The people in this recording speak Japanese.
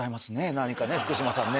何かね福島さんね